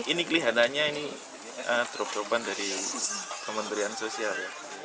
ini kelihatannya ini drop dropan dari pemerintahan sosial